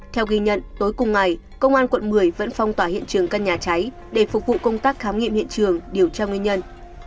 theo ghi nhận tối cùng ngày công an quận một mươi vẫn phong tỏa hiện trường căn nhà cháy để phục vụ công tác khám nghiệm hiện trường điều tra nguyên nhân